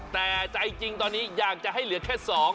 แต่ใจจริงตอนนี้อยากจะให้เหลือแค่๒